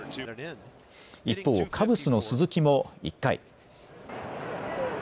一方、カブスの鈴木も１回。